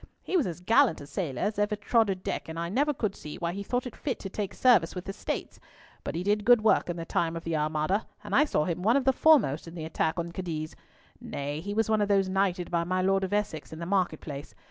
He was as gallant a sailor as ever trod a deck, and I never could see why he thought fit to take service with the States. But he did good work in the time of the Armada, and I saw him one of the foremost in the attack on Cadiz. Nay, he was one of those knighted by my Lord of Essex in the market place.